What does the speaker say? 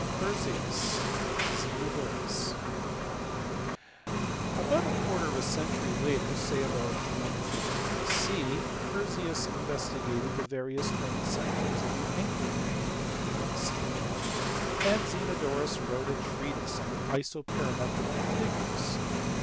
Perseus. Zenodorus. About a quarter of a century later, say about 150 B.C., Perseus investigated the various plane sections of the anchor ring (see above, p. 47), and Zenodorus wrote a treatise on isoperimetrical figures.